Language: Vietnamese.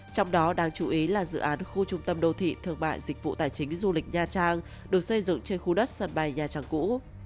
trong đó đáng chú ý là dự án khu trung tâm đô thị thương mại dịch vụ tài chính du lịch nha trang được xây dựng trên khu đất sân bay nhà trang cũ